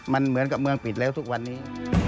มันเหมือนกับเมืองปิดแล้วทุกวันนี้